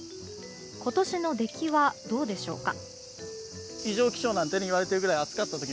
今年の出来はどうでしょうか？